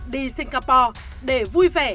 đi singapore để vui vẻ